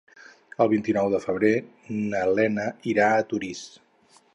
El vint-i-nou de febrer na Lena irà a Torís.